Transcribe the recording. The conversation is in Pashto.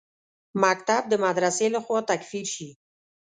مکتب د مدرسې لخوا تکفیر شي.